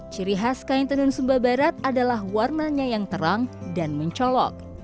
ciri khas kain tenun sumba barat adalah warnanya yang terang dan mencolok